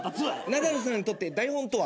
ナダルさんにとって台本とは？